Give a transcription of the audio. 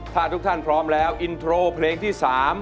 ถ้าทุกท่านพร้อมแล้วอินโทรเพลงที่๓